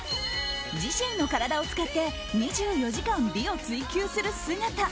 自身の体を使って２４時間、美を追究する姿。